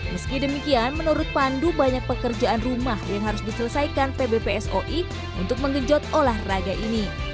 meski demikian menurut pandu banyak pekerjaan rumah yang harus diselesaikan pbpsoi untuk menggenjot olahraga ini